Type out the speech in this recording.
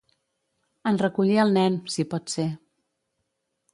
En recollir el nen, si pot ser.